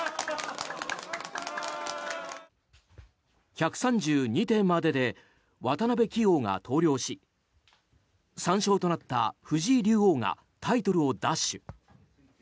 １３２手までで渡辺棋王が投了し３勝となった藤井竜王がタイトルを奪取。